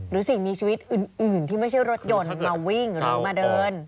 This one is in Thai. สิ่งมีชีวิตอื่นที่ไม่ใช่รถยนต์มาวิ่งหรือมาเดิน